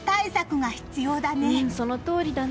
そのとおりだね。